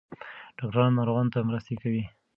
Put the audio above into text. ډاکټران ناروغانو ته مرسته کوي.